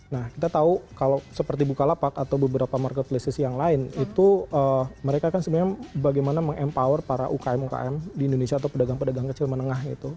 nah kita tahu kalau seperti bukalapak atau beberapa marketplaces yang lain itu mereka kan sebenarnya bagaimana meng empower para ukm ukm di indonesia atau pedagang pedagang kecil menengah itu